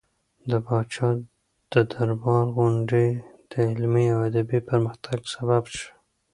د پاچا د دربار غونډې د علمي او ادبي پرمختګ سبب شوې.